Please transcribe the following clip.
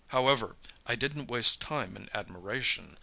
"However, I didn't waste time in admiration.